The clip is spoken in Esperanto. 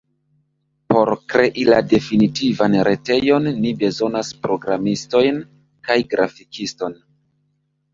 Por krei la definitivan retejon ni bezonas programistojn kaj grafikiston.